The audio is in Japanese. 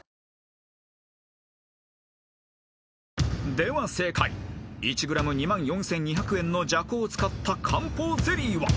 ［では正解１ｇ２万４，２００円の麝香を使った漢方ゼリーは？］